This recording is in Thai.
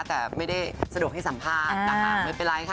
แต่ไม่ได้สะดวกให้สัมภาษณ์นะคะไม่เป็นไรค่ะ